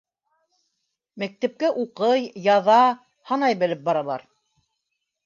Мәктәпкә уҡый, яҙа, һанай белеп баралар.